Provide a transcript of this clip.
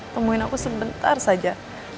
temuin aku sebentar saja